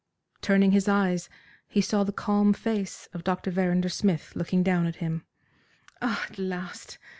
Turning his eyes, he saw the calm face of Dr. Verrinder Smith looking down at him. "Ah, at last!"